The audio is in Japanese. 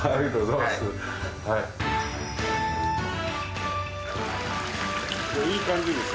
いい感じですよ。